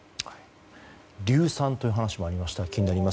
硫酸という話もありました、気になります。